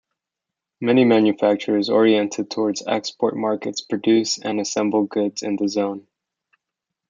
Many manufacturers orietentated towards export markets produce and assemble goods in the zone.